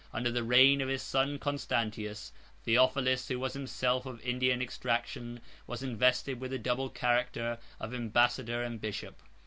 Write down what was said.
Under the reign of his son Constantius, Theophilus, 79 who was himself of Indian extraction, was invested with the double character of ambassador and bishop.